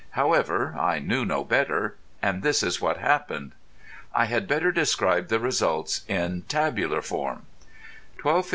However, I knew no better, and this is what happened. I had better describe the results in tabular form:— 12.